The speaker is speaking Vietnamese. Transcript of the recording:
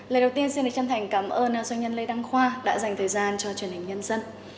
lời đầu tiên xin chân thành cảm ơn doanh nhân lê đăng khoa đã dành thời gian cho truyền hình nhân dân